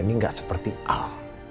ini gak seperti al